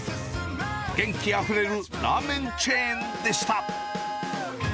元気あふれるラーメンチェーンでした。